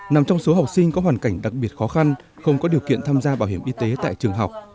nằm trong số học sinh có hoàn cảnh đặc biệt khó khăn không có điều kiện tham gia bảo hiểm y tế tại trường học